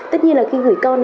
tất nhiên là khi gửi con